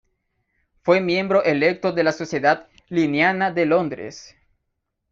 Fue miembro electo de la Sociedad linneana de Londres